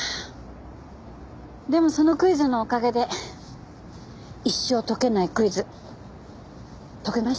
でもそのクイズのおかげで一生解けないクイズ解けましたよ。